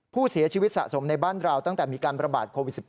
ผู้เสียชีวิตสะสมในบ้านเราตั้งแต่มีการประบาดโควิด๑๙